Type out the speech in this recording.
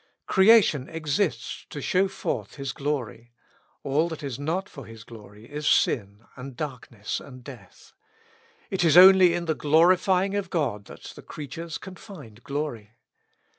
Creation exists to show forth His glory; all that is not for His glory is sin, and darkness, and death : it is only in the glorifying of God that the creatures can find glory.